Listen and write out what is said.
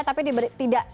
tapi diberi tidak